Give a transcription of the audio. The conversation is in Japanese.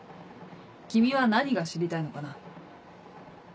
君は何が知りたいのかな？